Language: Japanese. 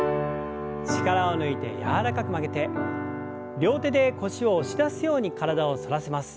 力を抜いて柔らかく曲げて両手で腰を押し出すように体を反らせます。